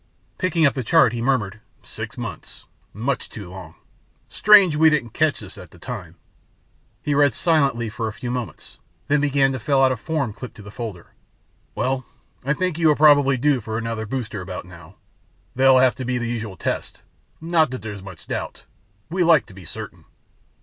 Picking up the chart, he murmured, "Six months ... much too long. Strange we didn't catch that at the time." He read silently for a few moments, then began to fill out a form clipped to the folder. "Well, I think you probably are due for another booster about now. There'll have to be the usual tests. Not that there's much doubt ... we like to be certain."